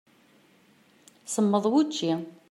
Semmeḍ wučči.